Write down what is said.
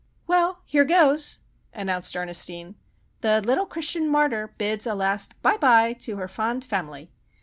"Well, here goes," announced Ernestine. "The little Christian martyr bids a last bye bye to her fond family."